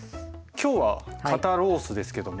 今日は肩ロースですけども。